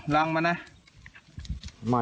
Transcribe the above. ลังมานะ